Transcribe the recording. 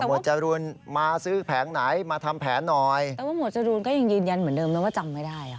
จรูนมาซื้อแผงไหนมาทำแผนหน่อยแต่ว่าหมวดจรูนก็ยังยืนยันเหมือนเดิมนะว่าจำไม่ได้ค่ะ